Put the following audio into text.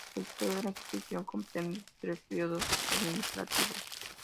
La historia de la institución comprende tres periodos administrativos.